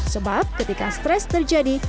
sebab ketika stres terjadi